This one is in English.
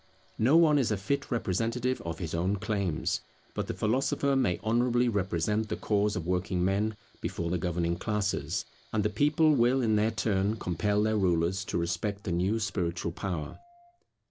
No one is a fit representative of his own claims; but the philosopher may honourably represent the cause of working men before the governing classes; and the people will in their turn compel their rulers to respect the new spiritual power.